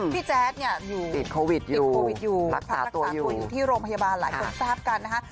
แจ๊ดเนี่ยอยู่ติดโควิดอยู่ติดโควิดอยู่พักรักษาตัวอยู่ที่โรงพยาบาลหลายคนทราบกันนะคะ